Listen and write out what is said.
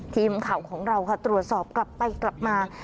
ทีมข่าวของเราค่ะตรวจสอบกลับไปกลับมา